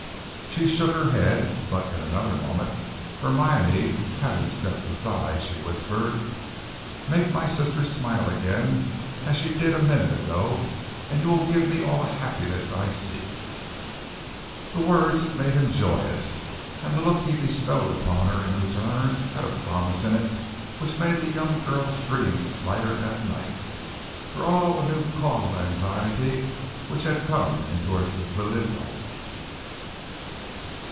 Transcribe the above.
She shook her head, but in another moment, Hermione having stepped aside, she whispered: "Make my sister smile again as she did a minute ago, and you will give me all the happiness I seek." The words made him joyous, and the look he bestowed upon her in return had a promise in it which made the young girl's dreams lighter that night, for all the new cause of anxiety which had come into her secluded life.